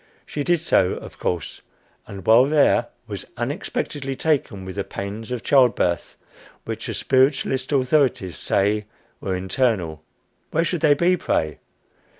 She did so, of course; and while there was unexpectedly taken with the pains of childbirth, which the spiritualist authorities say, were "internal" where should they be, pray?